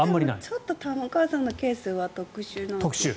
ちょっと玉川さんのケースは特殊な。